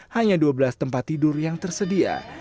hanya dua belas tempat tidur yang tersedia